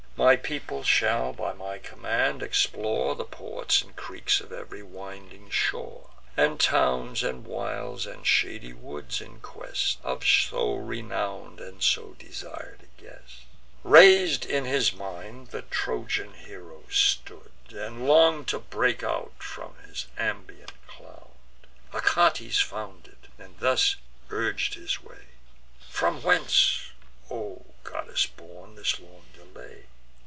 My people shall, by my command, explore The ports and creeks of ev'ry winding shore, And towns, and wilds, and shady woods, in quest Of so renown'd and so desir'd a guest." Rais'd in his mind the Trojan hero stood, And long'd to break from out his ambient cloud: Achates found it, and thus urg'd his way: "From whence, O goddess born, this long delay?